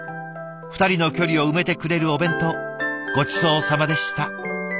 ２人の距離を埋めてくれるお弁当ごちそうさまでした。